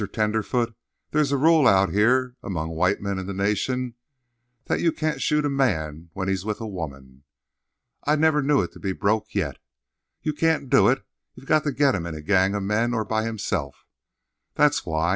Tenderfoot, there's a rule out here among white men in the Nation that you can't shoot a man when he's with a woman. I never knew it to be broke yet. You can't do it. You've got to get him in a gang of men or by himself. That's why.